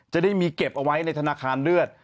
จะได้มีเก็บเอาไว้ในธนาคารเลือด